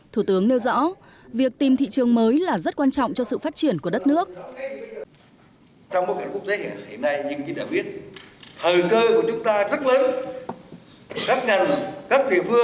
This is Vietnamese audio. thủ tướng nêu rõ việc tìm thị trường mới là rất khó